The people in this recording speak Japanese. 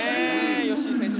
吉井選手。